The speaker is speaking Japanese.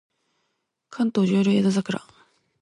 関東上流江戸桜